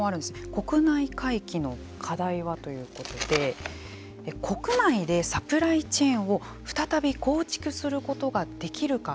国内回帰の課題はということで国内でサプライチェーンを再び構築することができるか。